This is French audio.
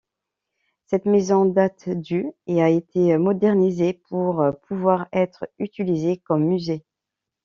Cette maison date du et a été modernisée pour pouvoir être utilisée comme musée.